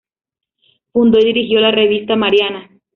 Fundó y dirigió la revista "Mariana".